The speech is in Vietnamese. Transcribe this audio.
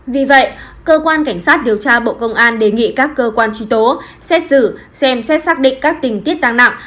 vì vậy cơ quan cảnh sát điều tra bộ công an đề nghị các cơ quan truy tố xét xử xem xét xác định các tình tiết tăng nặng